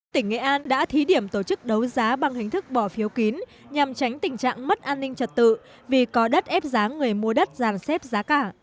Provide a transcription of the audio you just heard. tỉnh nghệ an đã thí điểm tổ chức đấu giá bằng hình thức bỏ phiếu kín nhằm tránh tình trạng mất an ninh trật tự vì có đất ép giá người mua đất giàn xếp giá cả